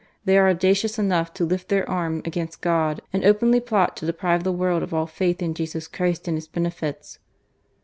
They are audacious enough to lift their arm against God, and openly plot to deprive the «orld of all faith in Jesus Christ and His benefits."'